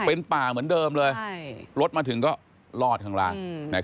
เป็นป่าเหมือนเดิมเลยรถมาถึงก็รอดข้างล่าง